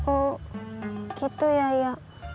oh gitu ya ya